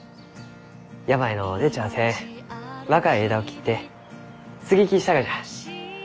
病の出ちゃあせん若い枝を切って接ぎ木したがじゃ。